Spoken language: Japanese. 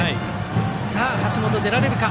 橋本、出られるか。